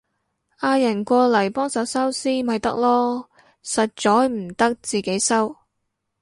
嗌人過嚟幫手收屍咪得囉，實在唔得自己收